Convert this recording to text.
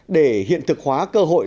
để hiện thực hóa cơ hội